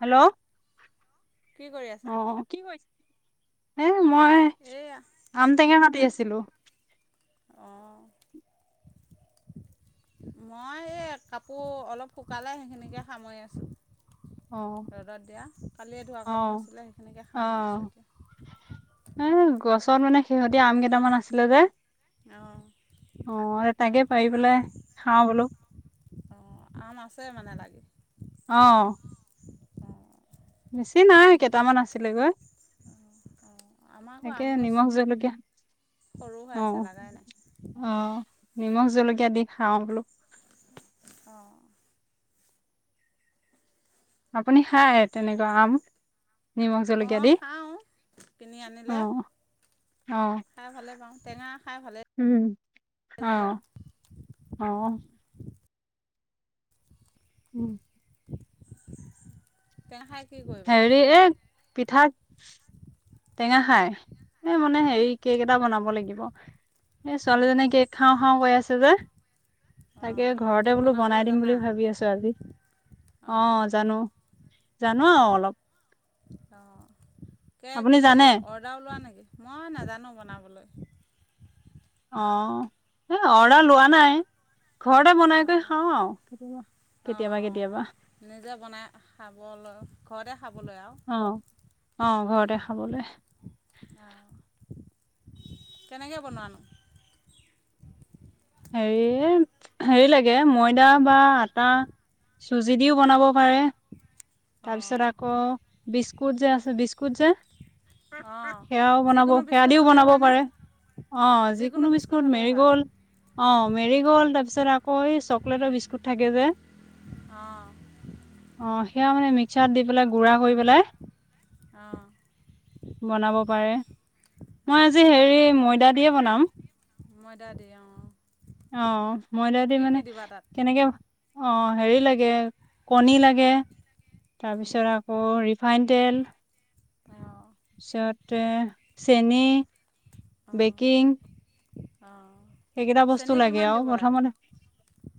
Hello অহ' কি কৰি আছা? অ' কি কৰিছা? হে মই এইয়া আম টেঙা কাটি আছ ছিলো অ'। মই এই কাপোৰ অলপ শুকালে, সেইখিনিকে সামৰি আছোঁ। অ ৰ'দত দিয়া, কালিয়ে ধোৱা অ কাপোৰ আছিলে সেইখিনিকে অ সামৰি আছোঁ এতিয়া। এ, গছত মানে শেহতিয়া আম কেইটামান আছিলে যে অ'। অ', তাকে পাৰি পেলাই খাওঁ বোলো। অ', আম আছে মানে লাগি? অ'। অ' বেছি নাই, কেইটামান আছিলে গৈ। অ' আমাৰ আকৌ একে আম গছ নিমখ জলকীয়া, সৰু হৈ আছে অ', লাগাই নাই অ' নিমখ জলকীয়া দি খাওঁ বোলো। অ' আপুনি খায় তেনেকুৱা আম? নিমখ জলকীয়া দি অ', খাওঁ কিনি অ আনিলে, অ খাই ভালেই পাওঁ। টেঙা খাই ভালেই উম, লাগে অ', আৰু অ'। উম। টেঙা খায় হেৰি এই পিঠা টেঙা খাই, এই মানে অ' হেৰি কেক এটা বনাব লাগিব। এই ছোৱালীজনী অ' কেক খাওঁ, খাওঁ কৈ আছে যে, তাকে অ' ঘৰতে কেক বোলো বনাই বনাবলৈ দিম জানা বুলি ভাবি আছোঁ আজি, অ', জানো, জানো আৰু অলপ। অ' কেক আপুনি এই জানে অৰ্ডাৰয়ো লোৱা নেকি? মই নাজানোঁ বনাবলৈ। অ', এই অৰ্ডাৰ লোৱা নাই। ঘৰতে বনাই কৰি অঁ খাওঁ আৰু কেতিয়াবা, অঁ কেতিয়াবা, অঁ কেতিয়াবা, নিজে বনাই খাবলৈ ঘৰতে খাবলৈ আৰু অ', অ', ঘৰতে খাবলৈ। কেনেকে বনোৱানো? হেৰি এই হেৰি লাগে ময় দা বা আটা চুজি দিয়ো বনাব অঁ পাৰে, অঁ তাৰপিছত আকৌ বিস্কুট যে, আছে বিস্কুট যে, অঁ সেয়াও বনাব, যিকোনো সেয়া বিস্কুট দিয়ো হ'লেই বনাব হয়নে পাৰে, অ', যিকোনো বিস্কুট মেৰি গল অ ', মেৰি গ'ল্ড তাৰপিছত আকৌ এই চকলেটৰ বিস্কুট থাকে যে অ' অ', সেয়া মানে মিক্সাৰত দি পেলাই গুড়া কৰি পেলাই অঁ বনাব পাৰে। মই আজি অঁ হেৰি ময়দা দিয়ে বনাম। ময়দা দি অঁ অ মইদা দি কি কি মানে দিবা তাত কেনেকে অ হেৰি লাগে, কণী লাগে। তাৰ পিছত আকৌ ৰিফাইন তেল, অঁ তাৰপিছতে চেনি, অঁ বেকিং, অঁ সেইকেইটা বস্তু চেনি লাগে কিমান আৰু দিব লাগে প্ৰথমতে।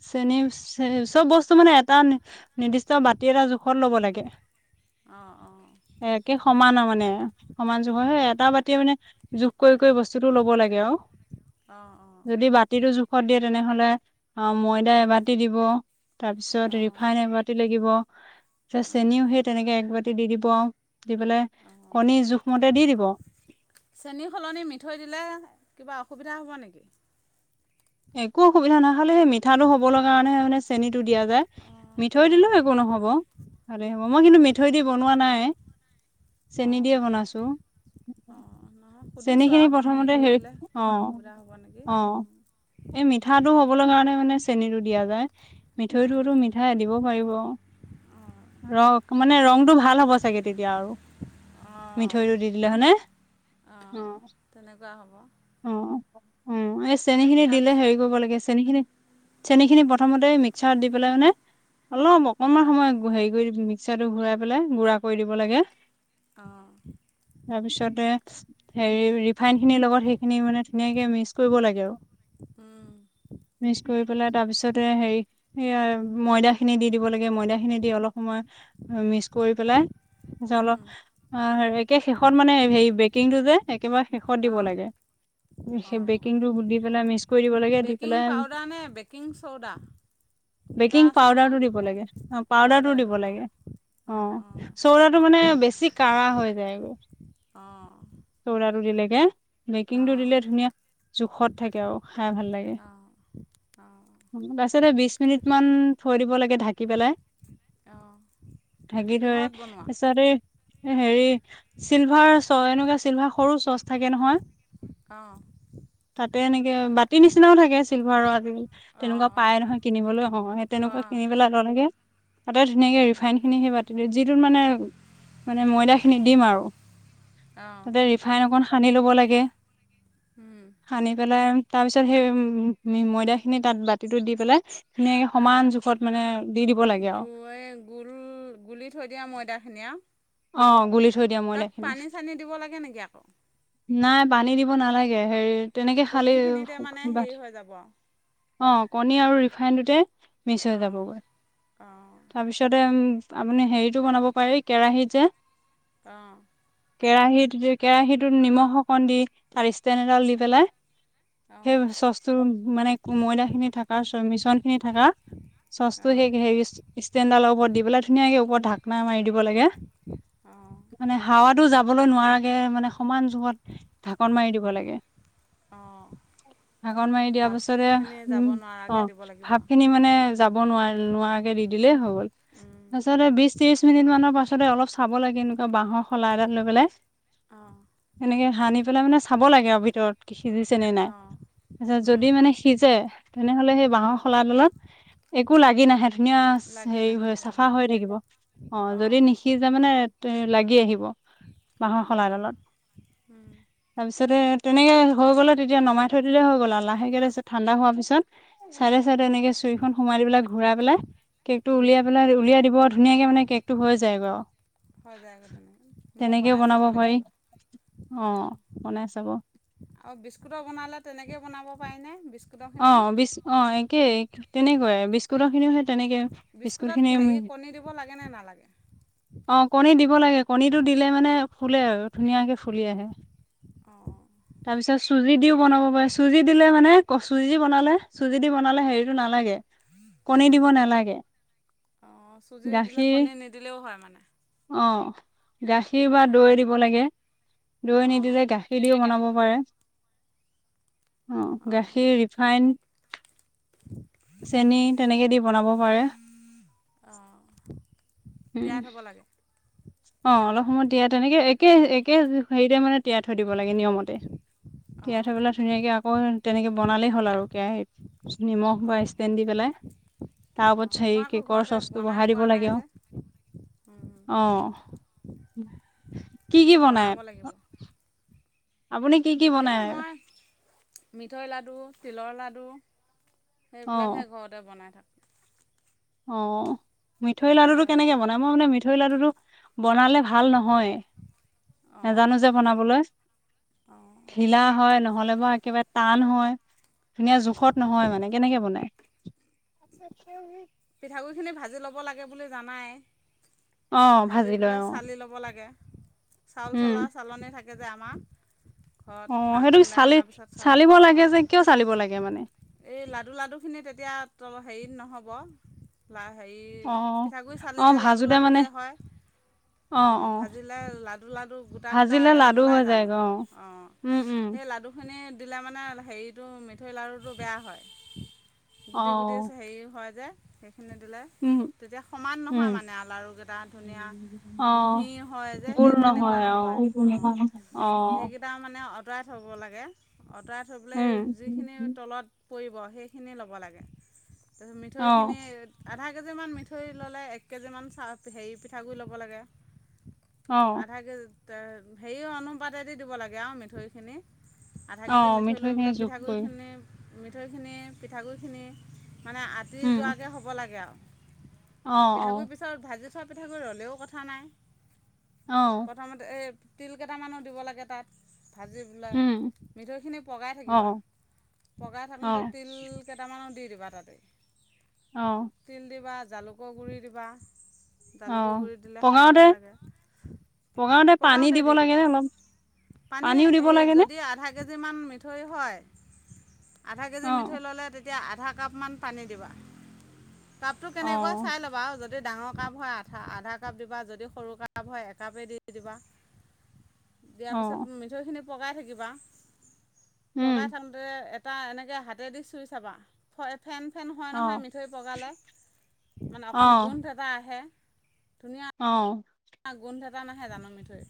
চেনী চে চব বস্তু মানে এটা নিৰ্দিষ্ট বাতি এটা জোখত লব লাগে। অঁ অঁ একে সমানে মানে। সমান জোখৰ হয়, অঁ হে এটা বাতিয়ে মানে জোখ কৰি কৰি বস্ত বস্তুটো ল'ব লাগে আও। অঁ। যদি বাতিটো জোখত দিয়ে তেনেহলে, অহ ময়দা এবাতি দিব। তাৰপিছত অঁ অঁ ৰিফাইন এবাতি লাগিব। চে অঁ চেনিও সেই তেনেকে একবাতি দি দিব। দি পেলাই, অঁ কণী জোখমতে দি দিব। চেনী সলনি মিঠৈ দিলে কিবা অসুবিধা হ'ব নেকি? একো অসুবিধা নহয়। খালি মিঠাটো হব লগা কাৰণেহে মানে চেনীটো দিয়া যায়। অঁ মিঠৈ দিলেও অঁ একো নহব ভালেই হ'ব মই কিন্তু অঁ মিঠৈ দি বনোৱা নাই চেনী দিয়ে বনাইছো অ নহয় সুধি চেনি চোৱা খিনি প্ৰথমতে মিথৈ হেৰি দিলে অ কিবা অসুবিধা হ'ব নেকি অ এই মিঠাটো হবলৈ কাৰণে মানে চেনটো দিয়া যায় অঁ মিঠৈটোতো মিঠাই দিব পাৰিব অঁ ৰ মানে ৰংটো ভাল হ'ব চাগে তেতিয়া আৰু অঁ মিঠৈটো দি দিলে হনে অঁ অ তেনেকুৱা হ'ব অ', উম এই চেনিখি দিলে তাৰপিছত হেৰি কৰিব লাগ আছ চেনি খিনি চেনি খিনি প্ৰথমতে মিক্সাৰত দি পেলাই মানে অলপ অকনমান গুড়া সময় হেৰি কৰি দিম মিচ্ছাৰটো ঘূৰাই পেলাই গুড়া কৰি দিব লাগে অঁ তাৰপিছতে হেৰি ৰিফাইনখিনিৰ লগত সেইখিনি মানে ধুনীয়াকে মিক্স কৰিব লাগে আও উম। পেলাই তাৰপিছতে হেৰি ময়দাখিনি দি দিব লাগে, ময়দাখিনি দি অলপ সময় মিক্স কৰি পেলাই জল-অ', [unintelligible] একে শেষত মানে হেৰি বেকিংটো যে একবাৰে শেষত দিব অঁ লাগে, সেই অঁ বেকিংটো গো-দি পেলাই মিছ কৰি দিব লাগে, দি বেকিং পেলাই, পাউদাৰ নে বেকিং চ'ডা দুটা বেকিং আছে নহয় পাউডাৰটো দিব লাগে, অ', পাউডাৰটো পাউদাৰটো দিব অঁ লাগে, অঁ অ', অঁ চ'ডাটো মানে বেছ বেছি কাৰা হৈ যায় গৈ। চ'ডাটো দিলে। [inaudible] বেকিংটো অঁ দিলে ধুনীয়া, জোখত কেও খাই ভাল লাগে, অঁ অঁ অঁ তাৰপিছতে বিছ মিনিটমান থৈ থৈ দিব লাগে ঢাকি পেলাই। অঁ ঢাকি থৈ, কিহত বনোৱা তাৰপিছত এই এ হেৰি চিলভাৰ চ-এনেকুৱা চিলভাৰ সৰু চচ থাকে নহয়। অঁ তাতে এনেকে বাতি নিচিনাও থাকে চিলভাৰৰ আজি, অঁ তেনেকুৱা পাই অঁ নহয় কিনিবলৈ, অ' সেই তেনেকুৱা অঁ কিনি পেলাই ল'লে কে তাতে ধুনীয়াকে ৰিফাইনখিনি সেই বাতিটোত, যিটোত মানে, ময়দাখিনি দিম আৰু, অঁ তাতে ৰিফাইন অকণ সা সানি ল'ব লাগে উম। সানি পেলাই তাৰ পিছত সেই উম, ময়দাখিনি তাত বাতিটো দি পেলাই ধুনীয়াকে উম, সমান জোখত মানে দি দিব লাগে আৰু গৈ-গোল গুলি থৈ দিয়া ময়দাখিনি আৰু। অ', গুলি থৈ দিয়া ময়দা তাত খিনি পানী চানী দিব লাগে নেকি আকৌ? নাই পানী দিব নালাগে, হেৰিত তেনেকে খালি কণীখিনিতে মানে হেৰি [unintelligible] হৈ যাব আৰু। অ', কণী আৰু ৰিফাইনটোতে মিছ হৈ অঁ যাবগৈ, অঁ তাৰপিছতে আপুনি হেৰিতো বনাব পাৰি কেৰাহীত যে অ'। কেৰাহীত, কেৰাহীটোত নিমখ অকণ দি [unintelligible] ষ্টেণ্ড এডাল দি পেলাই, অঁ সেই চচটো মানে ময়দা খিনি থকা চ-মিশ্ৰণ খিনি থকা চচটো অঁ সেই হেৰি ষ্টেণ্ডডালৰ ওপৰত দি পেলাই ধুনীয়াকে ওপৰত ঢাকনা মাৰি দিব লাগে। অঁ মানে হাৱাটো যাব যাবলৈ নোৱাৰাগে মানে সমান যুগত ঢাকন মাৰি দিব লাগে অঁ ধাকন মাৰি দিয়া পাছতে ভাপখিনি যাব উম অ নোৱাৰাকৈ দিব লাগিব ভাপ খিনি মানে যাব নোৱাৰ নোৱাৰাকে দি দিলেই হৈ গ'ল তাৰপাছতে বিচ ত্ৰিশ মিনিট মানৰ পাছ অলপ চাব লাগে এনেকুৱা বাহৰ শলা এডাত লৈ পেলাই। অঁ এনেকে হানি। পেলাই মানে চাব লাগে আৰু ভিতৰত কি। সিজিছে নে নাই। অঁ তাৰপিছত যদি মানে সিজে তেনেহলে সেই বাঁহৰ শলাডলত একো লাগি নাহে ধুনীয়া লাগি হেৰি হৈ নাহিব চাফা হৈ থাকিব। অ যদি অঁ নি মানে লাগি আহিব মাহৰ শলা অঁ এডালত। অঁ তাৰপিছতে তেনে, হৈ গ'লে তেতিয়া নমাই থৈ দিলে হৈ গ'ল আৰু লাহেকে তাৰপাছত ঠাণ্ডা হোৱাৰ পিছত। চাইদে চাইডে অঁ এনেকে চুইখন সোমাই দি পেলাই, ঘূৰাই পেলাই, কেকটো উলিয়াই পেলাই উলিয়াই দিব। ধুনীয়াকৈ মানে কেকটো হৈ যায়, বাৰু হৈ যায় আগৈ তেনেকৈ ময়ো বনাই বনাব চাব পাৰি লাগিব অ অঁ, বনাই চাব আৰু বিস্কুটৰ বনালে তেনেকেই বনাব। পাৰিনে অ বিস্কুটৰখিনিও বিচ অ একেই এক। তেনেকুৱাই বিস্কুটৰ খিনিও সে তেনেকে। বিস্কুট বিস্কুটত খিনি হেৰি কণী দিব লাগে নে নালাগে। অ কণী দিব লাগে কণীটো দিলে মানে ফুলে আৰু ধুনীয়াকে ফুলি আহে। অঁ তাৰপিছত চো চুজি দিও বনাব পাৰে চুজি দিলে মানে চুজি বনালে চুজি দি বনালে হেৰিটো নালাগে। কণী দিব নালাগে। অঁ চুজি দিলে গাখীৰ কণী নিদিলেও হয় মানে অ, গাখীৰ বা অঁ দৈ দিব লাগে দৈ অঁ নিদিলে গাখীৰ দিও বনাব পাৰে। অঁ অ'গাখীৰ, ৰিফাইন। চেনি তেনেকে দি বনাব পাৰে। অ, উম তিয়াই থ'ব। লাগে অ' অলপ সময় তিয়াই তেনেকে একে গাখীৰত একে হেৰিতে মানে তিয়াই থৈ দিব লাগে নিয়মতে, তিয়াই থৈ অঁ পেলাই ধুনীয়াকে আকৌ তেনেকে বনালে হ'ল আৰু কেৰাহীত নিমখ বা অঁ ষ্টেণ দি পেলাই তাৰ অঁ ওপৰত সেই মই আকৌ কেকৰ ঘৰতে চচটো বনাই বহাই দিব পোৱা নাই লাগে আও। যে অ' কি কি বনাই বনাব লাগিব আপুনি কি কি এই বনায়? মই মিঠৈ লাডু তিলৰ লাডু সেইবিলাকহে ঘৰতে বনাই থাক। অ'। মিঠৈ তিলৰ লাডুটো লাড়ুটো কেনেকৈ বনাই? মই মানে মিঠ মিঠৈ লাডুটো বনালে ভাল নহয়, অঁ নাজানো যে, বনাবলৈ অঁ ঢিলা হয়, নহ'লে বাৰু একেবাৰে টান হয়। ধুনীয়া অঁ জোখত নহয় মানে, কেনেকে বনাই? [unintelligible] পিঠাগুড়িখিনি ভাজি ল'ব লাগে বুলি জানাই অ ভাজি লয় পেলাই অ চালি ল'ব লাগে। চাউল উম চলা চালনি থাক যে, আমা অ ঘৰত ধান সেইটো খুন্দাই চালি অনাৰ পিছত চাউল চালিব লাগে যে কিয় চালিব লাগে অ', মানে এই লাডু, লাডু খিনি তেতিয়া তল হেৰিত নহ [unintelligible] লা, হেৰি অ', পিঠাগুড়ি অ', চালিলে লাডু, ভাজোতে লাডু মানে যে, হয়, অ', ভাজিলে লাডু, লাডু গোটা, গোটা ভাজিলে লাডু নোলাই হৈ জানো? যায়গৈ অ', উম, উম, সেই লাডুখিনি দিলে মানে হেৰিটো মিঠৈৰ লাৰুটো বেয়া হয়। গুটি, গুটি অ', হেৰি হয়, যে খিনি দিলে উম, তেতিয়া সমান উম, নহয়, মানে আৰু লাৰুকেইটা ধুনীয়া মিহি অ', হয়, যে, সেই তেনেকুৱা নহয় অ', অ', সেইকেইটা মানে অ' [unintelligible] থ'ব লাগে। অঁতৰাই থৈ‌ পেলাই উম। যিখিনি তলত পৰিব, সেইখিনি ল'ব লাগে [unintelligible] অ'। এক কেজি মান মিঠৈ ল'লে, এক কেজিমান চা-হেৰি পিঠাগুড়ি ল'ব লাগে। অ', আধা কেজি ত' হেৰি অনুপাতে দি দিব লাগে আৰু মিঠৈখিনি আধাকেজি অ', মিঠৈ লৈ মিঠৈখিনি পেলাই যোগ পিঠাগুড়ি কৰি খিনি মিঠৈখিনি, পিঠাগুড়খিনি মানে [unintelligible] উম, যোৱাকে হ'ব লাগে আৰু। অ', পিঠাগুৰি অ', পিছত ভাজি [unintelligible] পিঠাগুৰি ৰ'লেও কথা নাই। অ', প্ৰথমতে এই তিল কেইটামানো দিব লাগে তাত। ভাজি পেলাই, উম, মিঠৈখিনি পগাই থাকিবা, অ', পগাই থাকোঁতে অ', তিল কেইটামানো দি কিবা তাতেই অ', তিল দিৱাত জালুকৰ গুৰি দিবা জালুকৰ অ', গুৰি দিলে খাই পগাওতে ভাল লাগে। পগাওতে পানী পগাওঁতে দিব দি দিবা, লাগেনে অলপ পানী পানীও দিব এই লাগেনে? যদি আধা কেজিমান মিঠৈ হয়। আধা কেজি অ', মিঠৈ ল'লে তেত তিয়া আধা কাপমান পানী দিবা। কাপটো কেনেকুৱা অ', চাই ল'বা আও যদি ডাঙৰ কাপ হয় আধা আধা কাপ দিবা, যদি সৰু কাপ হয় একাপেই দি দিবা। দিয়াৰ পিছত অ', মিঠৈখিনি পগাই থাকিবা। উম। পগাই থাকোঁতে এ টা এনেকে হাতে দি চুই চাবা ফ ফেন ফেন হয় নহয় অ', মিঠৈ পগালে মানে অকণ গোন্ধ এটা আহে। অহ ন গোন্ধ এটা নাহে জানো, মিঠৈ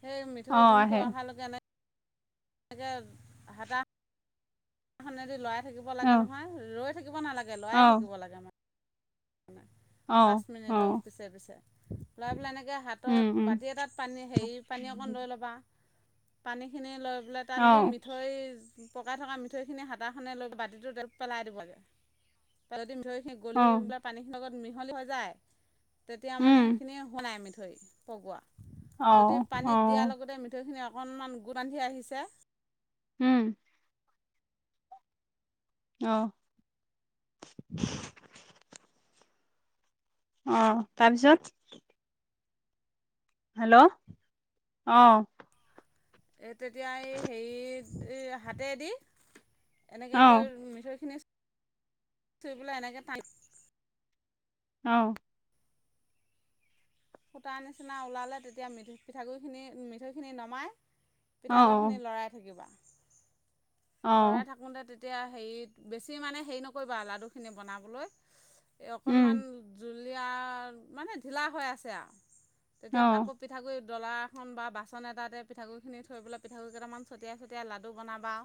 সেই অ', মিঠৈ গোন্ধ আহে অহালকে নাই এনেকে ভাটা এখনেদি লৰাই থাকিব লাগে অ', নহয়, ৰৈ থাকিব নালাগে, লৰাই অ'। থাকিব লাগে মানে পাঁচ মিনিটৰ পিছে পিছে পেলাই পিনে এনেকে গতিকে হাতত, বাতি এটাত পানী হেৰি পানী অকণ লৈ লবা পানী খিনি লৈ বোলে তাত এই মিঠৈ পকাই থকা মিঠৈ খিনি হাতাখনে লৈ বাতিটো পেলাই দিব লাগে, পেলাই দি মিঠৈ সেই গলিবাক লগত মিহলি হৈ যায়। তেতিয়া মানে সেইখিনি হুনাই মিঠৈ থৈ পগোৱা যদি পানীত দিয়াৰ লগতে মিঠৈখিনি অকণমান গো বান্ধি আহিছে। উম আহ অ', তাৰপিছত? হেল্ল', অ'। এই তেতিয়া এই হেৰিত এই হাতেদি এনেকে অ কৈ মিঠৈ খিনি [unintelligible] অ'। সূতাৰ নিচিনা ওলালে তেতিয়া মি-পিঠাগুৰি খিনি মিঠৈখিনি নমাই অ পিঠাগুৰি খিনি লৰাই থাকিবা। অ অ লৰাই থাকোতে তে তেতিয়া হেৰিত বেছি মানে হেৰি নকৰিবা আৰু লাডুখিনি বনাবলৈ এই উম অকনমান জ জুলীয়া মানে ঢিলা হৈ আছে আৰু তেতিয়া অ আকৌ পিঠাগুৰি ডলা এখন বা বাচন এটাতে পিঠাগুৰি খিনি থৈ পেলাই পিঠাগুৰি কেইটামান ছটিয়াই, ছটিয়াই লাডু বনাবা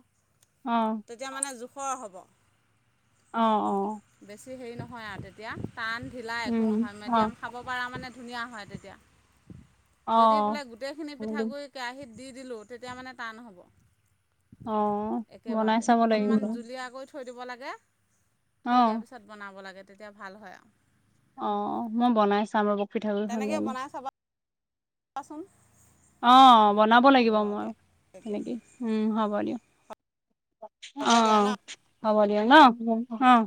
অ তেতিয়া মানে জোখ খৰ হ'ব। অ', অ'। বেছি‌ হেৰি নহয় আৰু তেতিয়া। টান, ঢিলা একো উম নহয়, অ মেডিয়াম খাব পাৰা মানে ধুনীয়া হয়, তেতিয়া। অ যদি বোলে গোটেই খিনি পিঠাগুৰি কেৰাহী দি দিলোঁ তেতিয়া মানে টান হ'ব। অ' বনাই একেবাৰতে চাব লাগিব। অকণমান জুলীয়া কৰি থৈ দিব লাগে। থৈ দিয়াৰ অ পিছত বনাব লাগে। তেতিয়া ভাল হয় আৰু। অ' মই বনাই চাম ৰব। পিঠাগুৰিৰ খালেনে? চোন। অ'। বনাব লাগিব মই, তেতিয়া তেনেকেই উম হ'ব দিয়ক। হ'ব অ' দিয়া অ' ন হ'ব দিয়া ন। অ'।